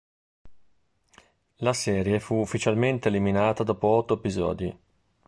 La serie fu ufficialmente eliminata dopo otto episodi.